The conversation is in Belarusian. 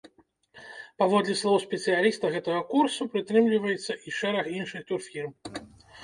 Паводле слоў спецыяліста, гэтага курсу прытрымліваецца і шэраг іншых турфірм.